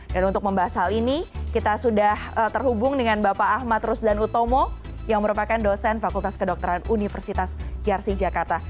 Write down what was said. dan untuk membahas hal ini kita sudah terhubung dengan bapak ahmad rusdan utomo yang merupakan dosen fakultas kedokteran universitas yarsi jakarta